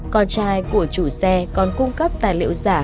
con trai của chủ xe còn cung cấp tài liệu giả